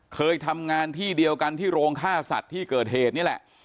เคยทำงานที่เดียวกันที่โรงฆ่าสัตว์ที่เกิดเหตุนี่แหละ